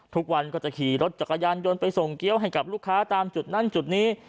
ทุกวันก็จะขี่รถจักรยานยนต์ไปส่งเกี้ยวให้กับลูกค้าตามจุดนั้นจุดนี้